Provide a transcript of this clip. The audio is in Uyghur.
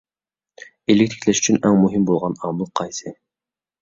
ئىگىلىك تىكلەش ئۈچۈن ئەڭ مۇھىم بولغان ئامىل قايسى؟